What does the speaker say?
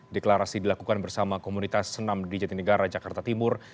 deklarasi dilakukan bersama komunitas senam di jatinegara jakarta timur